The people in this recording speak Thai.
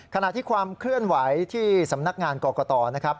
ขณะที่ความเคลื่อนไหวที่สำนักงานกรกตนะครับ